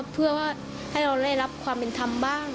เพื่อว่าให้เราได้รับความเป็นธรรมบ้าง